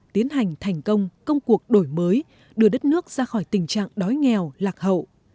tiến hành thành công công cuộc đổi mới đưa đất nước ra khỏi tình trạng đói nghèo lạc hậu